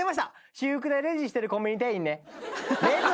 「私服でレジしてるコンビニ店員」ね。